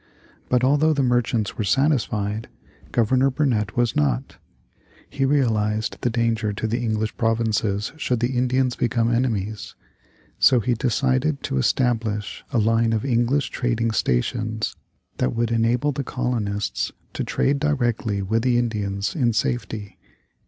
But although the merchants were satisfied, Governor Burnet was not. He realized the danger to the English provinces should the Indians become enemies. So he decided to establish a line of English trading stations that would enable the colonists to trade directly with the Indians in safety.